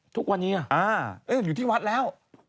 ทุกวันนี้เหรออ่าอยู่ที่วัดแล้ว